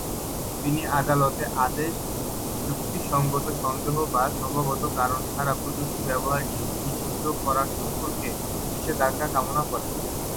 তিনি আদালতের আদেশ যুক্তিসঙ্গত সন্দেহ বা সম্ভাব্য কারণ ছাড়া প্রযুক্তি ব্যবহার নিষিদ্ধ করা সম্পর্কে নিষেধাজ্ঞা কামনা করেন।